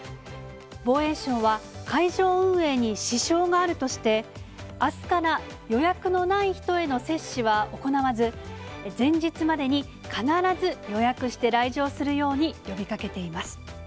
防衛省は、会場運営に支障があるとして、あすから予約のない人への接種は行わず、前日までに必ず予約して来場するように呼びかけています。